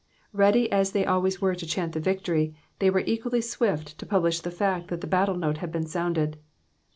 Ready as they always were to chant the victory, they were equally swift to publish the fact that the battle note had been sounded.